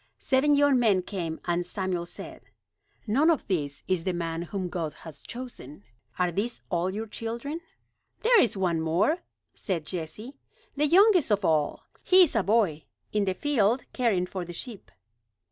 Seven young men came and Samuel said: "None of these is the man whom God has chosen. Are these all your children?" "There is one more," said Jesse. "The youngest of all. He is a boy, in the field caring for the sheep."